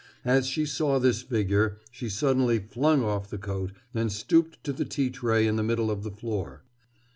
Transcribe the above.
As she saw this figure she suddenly flung off the coat and stooped to the tea tray in the middle of the floor.